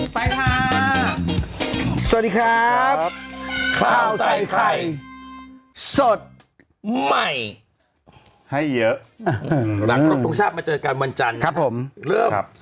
ปลายคราวใส่ไข่สดใหม่ให้เยอะหลังนมชาติมาเจอกันวันจันทร์ครับผมเริ่ม